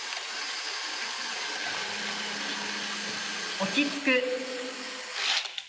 「落ち着く」。